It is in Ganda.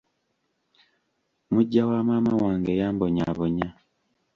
Muggya wa maama wange yambonyaabonya.